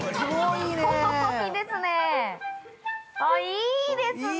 いいですね。